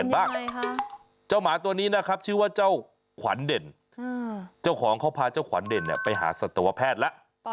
เพราะว่าเจ้าขวัญเด่นเจ้าของเขาพาเจ้าขวัญเด่นไปหาศัตรูแพทย์แล้ว